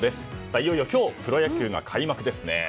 いよいよ今日プロ野球が開幕ですね。